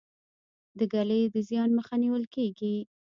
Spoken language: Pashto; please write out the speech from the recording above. د ږلۍ د زیان مخه نیول کیږي.